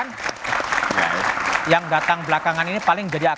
yang datang belakangan ini paling terbaik yang datang belakangan ini paling terbaik